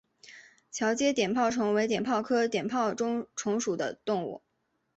桥街碘泡虫为碘泡科碘泡虫属的动物。